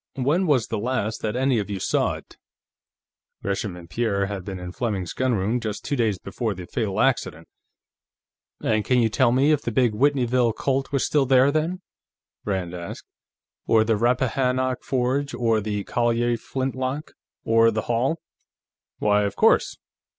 When was the last that any of you saw it?" Gresham and Pierre had been in Fleming's gunroom just two days before the fatal "accident." "And can you tell me if the big Whitneyville Colt was still there, then?" Rand asked. "Or the Rappahannock Forge, or the Collier flintlock, or the Hall?" "Why, of course